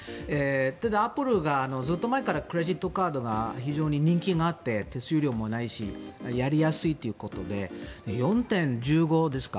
ただ、アップルがずっと前からクレジットカードが非常に人気があって手数料もないしやりやすいということで４．１５ですか？